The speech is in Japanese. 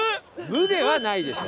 無ではないでしょ。